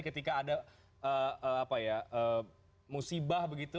ketika ada musibah begitu